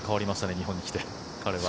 日本に来て、彼は。